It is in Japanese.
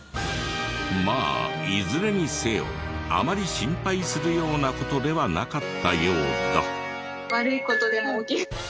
まあいずれにせよあまり心配するような事ではなかったようだ。